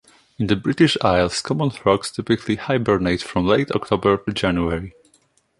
In the British Isles, common frogs typically hibernate from late October to January.